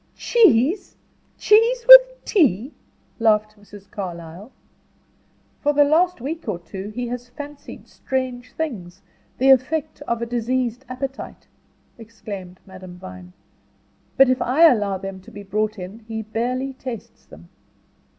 "Cheese! Cheese with tea!" laughed Mrs. Carlyle. "For the last week or two he has fancied strange things, the effect of a diseased appetite," exclaimed Madame Vine; "but if I allow them to be brought in he barely tastes them."